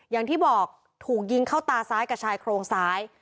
อย่างที่บอกถูกยิงเข้าตาซ้ายกับชายโครงซ้าย